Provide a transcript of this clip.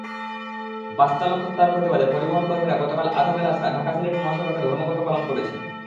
বাসচালক হত্যার প্রতিবাদে পরিবহনকর্মীরা গতকাল আধা বেলা ঢাকা-সিলেট মহাসড়কে ধর্মঘটও পালন করেছেন।